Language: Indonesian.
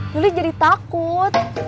juli jadi takut